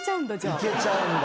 いけちゃうんだ。